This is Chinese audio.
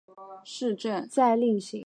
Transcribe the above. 格拉芬是德国巴伐利亚州的一个市镇。